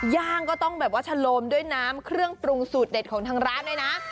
ย่างก็ต้องแบบว่าชะโลมด้วยน้ำเครื่องปรุงสูตรเด็ดของทางร้านด้วยนะ